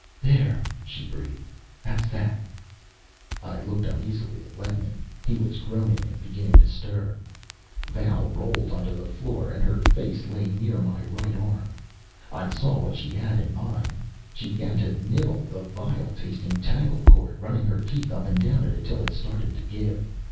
"There," she breathed. "That's that." I looked uneasily at Ledman. He was groaning and beginning to stir. Val rolled on the floor and her face lay near my right arm. I saw what she had in mind. She began to nibble the vile tasting tangle cord, running her teeth up and down it until it started to give.